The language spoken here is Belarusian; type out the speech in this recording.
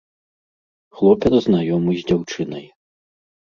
Хлопец знаёмы з дзяўчынай.